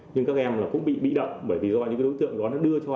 nhưng các em cũng bị bị động bởi vì do những đối tượng đó đưa cho